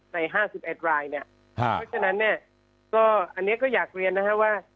ใน๕๑รายเนี่ยเพราะฉะนั้นเนี่ยก็อันนี้ก็อยากเรียนนะครับว่า